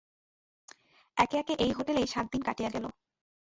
একে একে এই হোটেলেই সাতদিন কাটিয়া গেল!